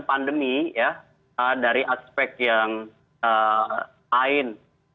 pandemi ya dari aspek yang lain